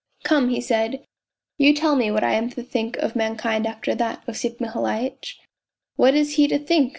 ' Come,' he said, ' you tell me what I am to think of mankind after that, Osip Mihailitch.' ' What is he to think